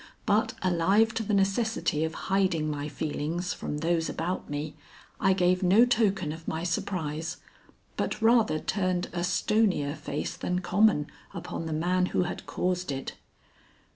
But alive to the necessity of hiding my feelings from those about me, I gave no token of my surprise, but rather turned a stonier face than common upon the man who had caused it.